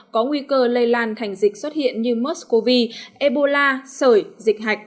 có nguy cơ lây lan thành dịch xuất hiện như mất covid ebola sởi dịch hạch